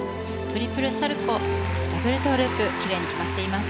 トリプルサルコウダブルトウループ奇麗に決まっています。